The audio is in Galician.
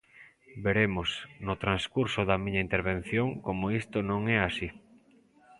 Veremos, no transcurso da miña intervención, como isto non é así.